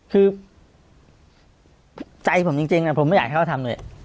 คือใจผมจริงผมไม่อยากให้เขาทำเลย